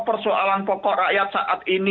persoalan pokok rakyat saat ini